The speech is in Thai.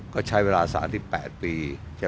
ก็ใช้เวลา๓๘ปี